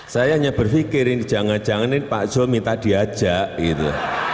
saya hanya berpikir ini jangan jangan ini pak zul minta diajak gitu